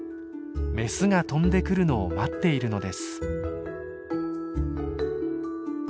メスが飛んでくるのを待っているのです。